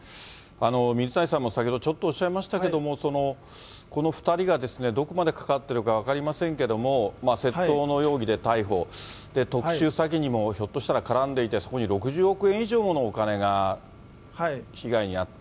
水谷さんも先ほどちょっとおっしゃいましたけども、この２人がどこまで関わってるか分かりませんけども、窃盗の容疑で逮捕、特殊詐欺にもひょっとしたら絡んでいて、そこに６０億円以上ものお金が被害に遭った。